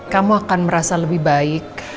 kamu akan merasa lebih baik